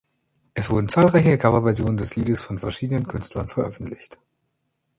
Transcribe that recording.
Es wurden zahlreiche Coverversionen des Liedes von verschiedenen Künstlern veröffentlicht.